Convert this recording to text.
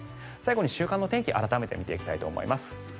最後に週間の天気改めて見ていきたいと思います。